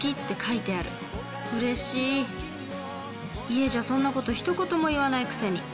家じゃそんなこと一言も言わないくせに！